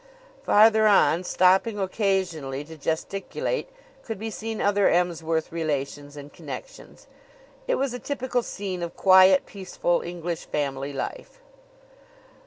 Farther on, stopping occasionally to gesticulate, could be seen other Emsworth relations and connections. It was a typical scene of quiet, peaceful English family life.